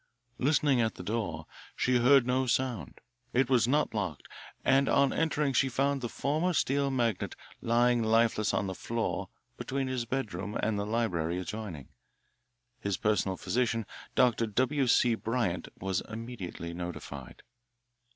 Listening at the door, she heard no sound. It was not locked, and on entering she found the former steel magnate lying lifeless on the floor between his bedroom and the library adjoining. His personal physician, Dr. W. C. Bryant, was immediately notified.